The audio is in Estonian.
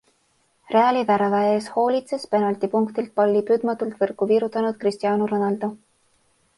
Reali värava eest hoolitses penaltipunktilt palli püüdmatult võrku virutanud Cristiano Ronaldo.